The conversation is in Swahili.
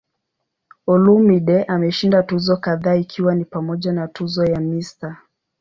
Olumide ameshinda tuzo kadhaa ikiwa ni pamoja na tuzo ya "Mr.